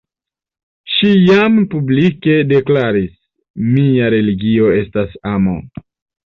Ŝi jam publike deklaris, «mia religio estas amo».